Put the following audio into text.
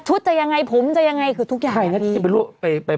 ชุดจะยังไงผมจะยังไงคือทุกอย่างอย่างนี้